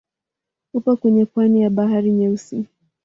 Upo kwenye pwani ya Bahari Nyeusi.